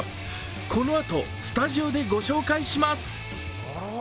このあとスタジオでご紹介します。